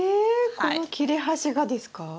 この切れ端がですか？